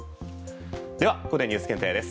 ではここでＮＥＷＳ検定です。